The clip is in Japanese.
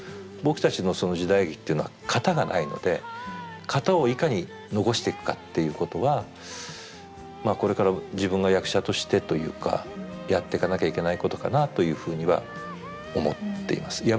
僕たちのその時代劇っていうのは型がないので型をいかに残していくかっていうことはまあこれから自分が役者としてというかやってかなきゃいけないことかなというふうには思っています。